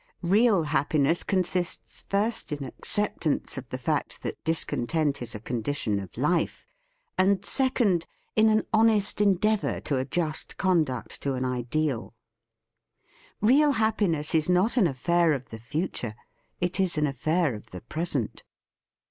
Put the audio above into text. Real happi ness consists first in acceptance of the THE FEAST OF ST FRIEND fact that discontent is a condition of life, and, second, in an honest endeav our to adjust conduct to an ideal. Real happiness is not an affair of the future ; it is an affair of the present.